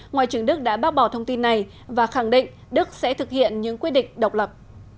ngoại trưởng đức đã bác bỏ thông tin này và khẳng định đức sẽ thực hiện những quyết định độc lập